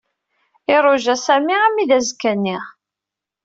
Iṛuja Sami armi d azekka-nni.